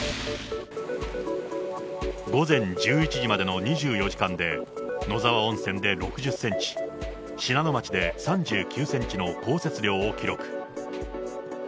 午前１１時までの２４時間で、野沢温泉で６０センチ、信濃町で３９センチの降雪量を記録。